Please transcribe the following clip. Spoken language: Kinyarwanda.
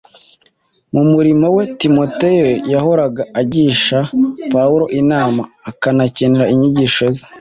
Mu murimo we, Timoteyo yahoraga agisha Pawulo inama akanakenera inyigisho ze.